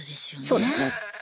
そうですね。